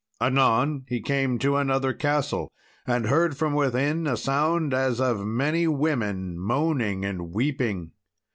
Anon he came to another castle and heard from within a sound as of many women moaning and weeping.